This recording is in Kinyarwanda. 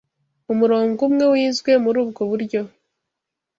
Umurongo umwe wizwe muri ubwo buryo